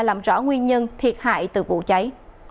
làm rõ nguyên nhân thiệt hại từ vụ cháy